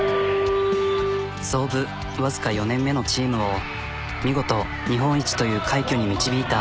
創部わずか４年目のチームを見事日本一という快挙に導いた。